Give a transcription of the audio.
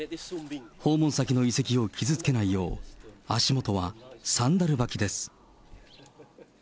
訪問先の遺跡を傷つけないよう、足元はサンダル履きです。